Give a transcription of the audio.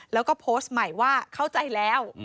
แล้วก็โพสต์ใหม่ว่าเข้าใจแล้ว